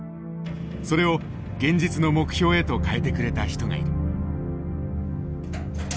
それを現実の目標へと変えてくれた人がいる。